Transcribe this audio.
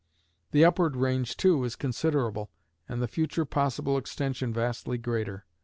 The upward range, too, is considerable, and the future possible extension vastly greater.